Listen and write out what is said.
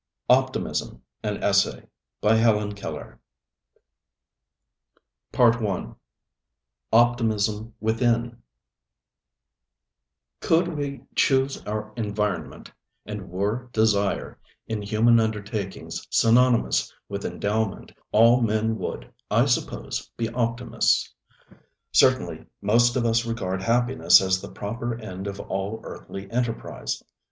Optimism Within Part i Optimism Within Could we choose our environment, and were desire in human undertakings synonymous with endowment, all men would, I suppose, be optimists. Certainly most of us regard happiness as the proper end of all earthly enterprise.